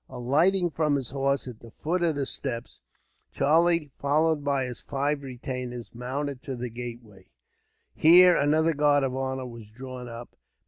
Alighting from his horse at the foot of the steps, Charlie, followed by his five retainers, mounted to the gateway. Here another guard of honor was drawn up.